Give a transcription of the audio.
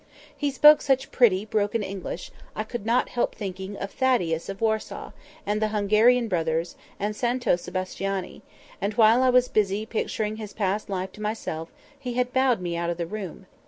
He spoke such pretty broken English, I could not help thinking of Thaddeus of Warsaw, and the Hungarian Brothers, and Santo Sebastiani; and while I was busy picturing his past life to myself, he had bowed me out of the room.